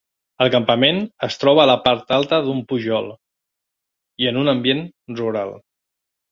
El campament es troba a la part alta d'un pujol i en un ambient rural.